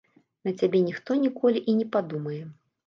На цябе ніхто ніколі і не падумае.